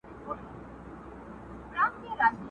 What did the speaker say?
چي هره چېغه پورته کم پاتېږي پر ګرېوان.!.!